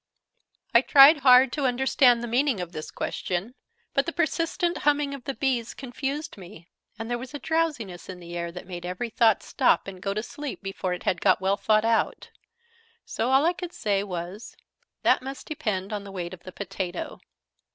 I tried hard to understand the meaning of this question: but the persistent humming of the bees confused me, and there was a drowsiness in the air that made every thought stop and go to sleep before it had got well thought out: so all I could say was "That must depend on the weight of the potato."